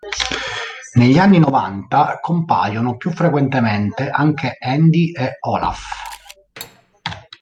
Negli anni novanta compaiono più frequentemente anche Andy e Olaf.